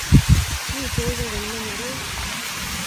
Mitei kokeny ne nyalil.